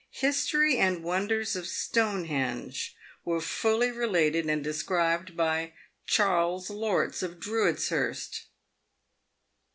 281 ff History and wonders of Stonehenge" were fully related and described by " Charles Lorts, of Drudeshurst."